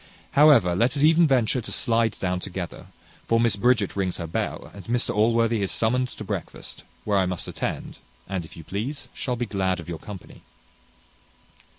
However, let us e'en venture to slide down together; for Miss Bridget rings her bell, and Mr Allworthy is summoned to breakfast, where I must attend, and, if you please, shall be glad of your company.